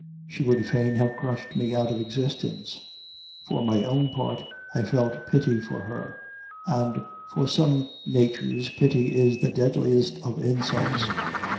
She would fain have crushed me out of existence; and for my own part, I felt pity for her, and for some natures pity is the deadliest of insults.